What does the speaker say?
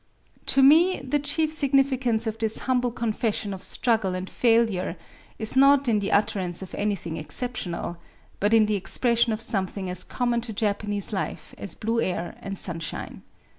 To me the chief significance of this humble confession of struggle and failure is not in the utterance of anything exceptional, but in the ex pression of something as common to Japanese life as blue air and sunshine.